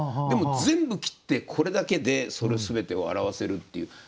でも全部切ってこれだけでその全てを表せるっていう。